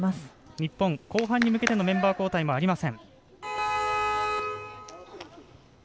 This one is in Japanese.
日本、後半に向けてのメンバー交代もありません。